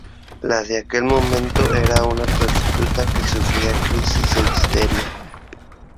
La de aquel momento era una prostituta que sufría crisis de histeria.